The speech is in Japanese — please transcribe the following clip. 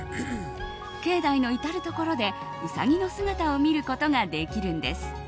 境内の至るところでうさぎの姿を見ることができるんです。